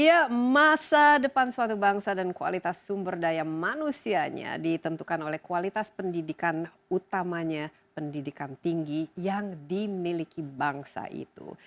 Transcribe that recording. ya masa depan suatu bangsa dan kualitas sumber daya manusianya ditentukan oleh kualitas pendidikan utamanya pendidikan tinggi yang dimiliki bangsa itu